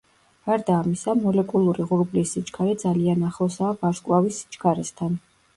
გარდა ამისა, მოლეკულური ღრუბლის სიჩქარე ძალიან ახლოსაა ვარსკვლავის სიჩქარესთან.